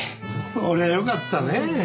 そりゃ良かったねぇ。